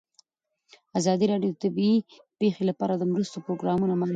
ازادي راډیو د طبیعي پېښې لپاره د مرستو پروګرامونه معرفي کړي.